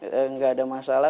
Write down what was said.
gak ada masalah